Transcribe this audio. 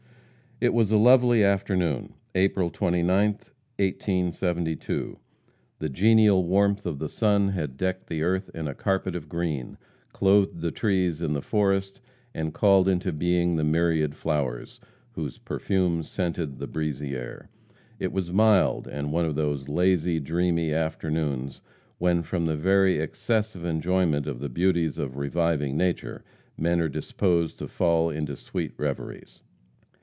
It was a lovely afternoon, April 29, 1872. The genial warmth of the sun had decked the earth in a carpet of green, clothed the trees in the forest, and called into being the myriad flowers, whose perfumes scented the breezy air. It was mild, and one of those lazy, dreamy afternoons, when, from very excess of enjoyment of the beauties of reviving nature, men are disposed to fall into sweet reveries.